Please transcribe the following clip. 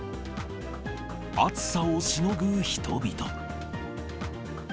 暑さをしのぐ人々。